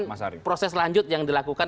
nah ini kan proses lanjut yang dilakukan